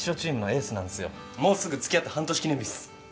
もうすぐ付き合って半年記念日です。